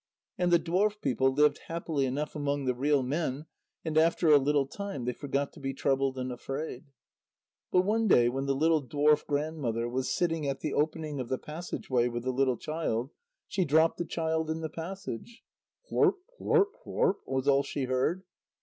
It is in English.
And the dwarf people lived happily enough among the real men, and after a little time they forgot to be troubled and afraid. But one day when the little dwarf grandmother was sitting at the opening of the passage way with the little child, she dropped the child in the passage. "Hlurp hlurp hlurp," was all she heard.